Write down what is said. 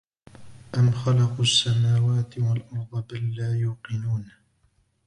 أَمْ خَلَقُوا السَّمَاوَاتِ وَالأَرْضَ بَل لّا يُوقِنُونَ